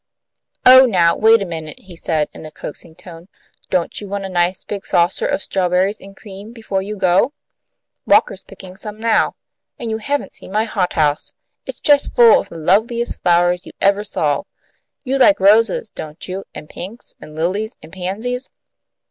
"Oh, now, wait a minute," he said, in a coaxing tone. "Don't you want a nice big saucer of strawberries and cream before you go? Walker's picking some now. And you haven't seen my hothouse. It's just full of the loveliest flowers you ever saw. You like roses, don't you, and pinks and lilies and pansies?"